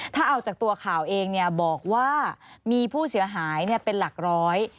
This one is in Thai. ถ้าเอาจากตัวข่าวเองเนี่ยบอกว่ามีผู้เสียหายเป็นหลักร้อย